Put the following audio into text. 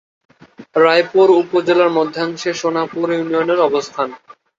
রায়পুর উপজেলার মধ্যাংশে সোনাপুর ইউনিয়নের অবস্থান।